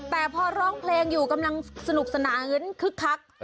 แต่พอร้องเพลงอยู่กำลังสนุกสนานคึกคัก